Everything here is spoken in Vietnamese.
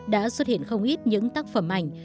đã xuất hiện không ít những tác phẩm ảnh